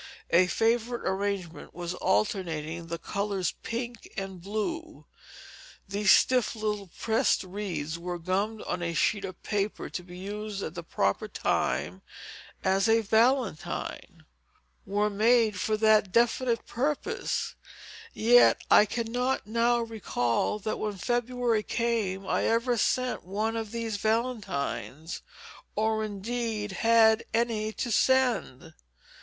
A favorite arrangement was alternating the colors pink and blue. These stiff little pressed wreaths were gummed on a sheet of paper, to be used at the proper time as a valentine, were made for that definite purpose; yet I cannot now recall that, when February came, I ever sent one of these valentines, or indeed had any to send.